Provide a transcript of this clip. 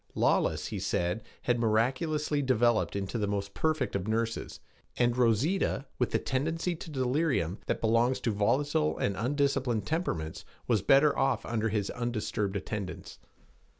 Lawless, he said, had miraculously developed into the most perfect of nurses, and Rosita, with the tendency to delirium that belongs to volatile and undisciplined temperaments, was better off under his undisturbed attendance.